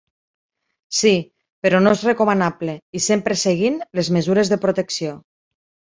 Sí, però no és recomanable i sempre seguint les mesures de protecció.